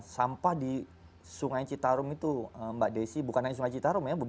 sampah di sungai citarum itu mbak desi bukan hanya sungai citarum ya